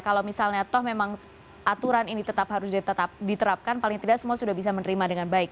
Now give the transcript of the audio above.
kalau misalnya toh memang aturan ini tetap harus diterapkan paling tidak semua sudah bisa menerima dengan baik